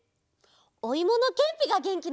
おいものけんぴがげんきのもと！